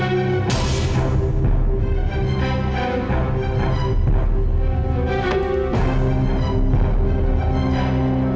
nggak mungkin mereka kabur dengan terlera